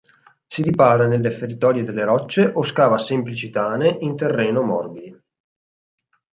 Si ripara nelle feritoie delle rocce o scava semplici tane in terreno morbidi.